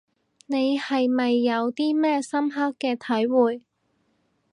你係咪有啲咩深刻嘅體會